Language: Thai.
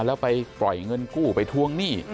แล้วไปปล่อยเงินกู้ไปทวงหนี้